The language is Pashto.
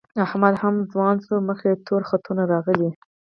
احمد هم ځوان شو، مخ یې تور خطونه راغلي